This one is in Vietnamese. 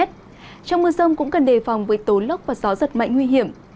trong mưa rông cũng cần đề phòng với tố lốc và gió giật mạnh nguy hiểm